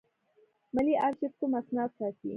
ملي آرشیف کوم اسناد ساتي؟